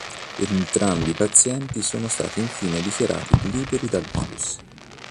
Entrambi i pazienti sono stati infine dichiarati liberi dal virus.